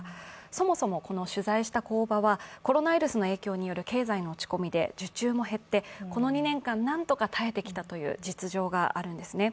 そもそも取材した工場は、コロナウイルスによる経済の落ち込みで受注も減ってこの２年間何とか耐えてきたという実情があるんですね。